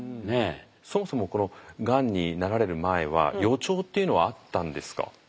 そもそもこのがんになられる前は予兆っていうのはあったんですか？